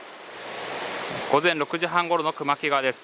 午前６時半ごろの熊木川です。